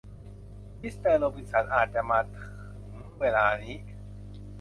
มิสเตอร์โรบินสันอาจจะมาถึงเวลานี้